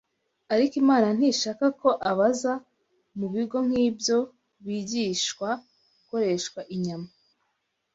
Ariko Imana ntishaka ko abaza mu bigo nk’ibyo bigishwa gukoresha inyama